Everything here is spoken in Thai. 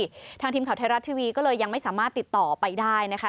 ทางทีมข่าวไทยรัฐทีวีก็เลยยังไม่สามารถติดต่อไปได้นะคะ